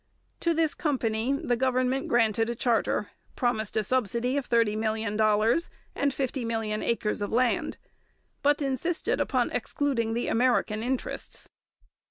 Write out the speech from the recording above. To this company the government granted a charter, promised a subsidy of thirty million dollars and fifty million acres of land, but insisted upon excluding the American interests.